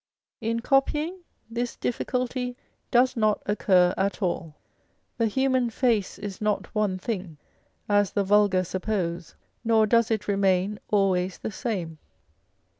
In copying, this difficulty does not occur at all. The human face is not one thing, as the vulgar suppose, nor does it remain always the same.